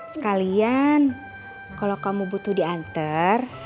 sekalian kalau kamu butuh diantar